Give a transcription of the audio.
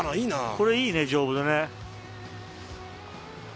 これいいね丈夫でね。